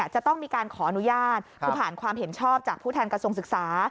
จะต้องมีการขออนุญาตคือผ่านความเห็นชอบจากผู้แทนกระทรวงศึกษา